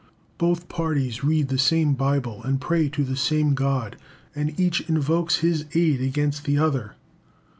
Both parties read the same Bible and pray to the same God, and each invokes His aid against the other.